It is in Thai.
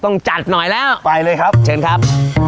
ต้องจัดหน่อยแล้วไปเลยครับเชิญครับ